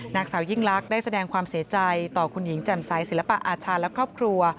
นางสาวยิ่งลักษณ์ได้แสดงความเสียใจต่อคุณหญิงแจ่มใสศิลปะอาชาและครอบครัว